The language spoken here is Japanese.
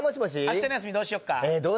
明日の休みどうしようか？